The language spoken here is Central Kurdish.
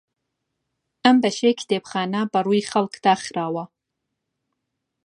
ئەم بەشەی کتێبخانە بەڕووی خەڵک داخراوە.